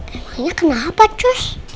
emangnya kenapa cus